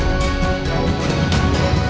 yang menganggur peranamu